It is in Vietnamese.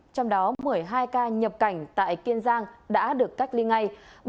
trong đó một mươi hai ca nhập cảnh tại kiên giang đã được cách ly ngay